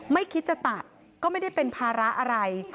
ไม่คิดจะตัดก็ไม่ได้เป็นภาระอะไร